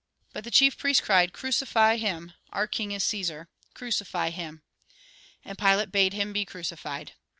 But the chief priests cried :" Crucify him ! Our king is Caesar ! Crucify him !" And Pilate bade him be crucified.